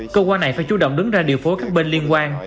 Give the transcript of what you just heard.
cơ quan này phải chủ động đứng ra điều phối các bên liên quan